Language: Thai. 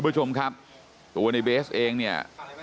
คุณผู้ชมครับตัวในเบสเองเนี่ย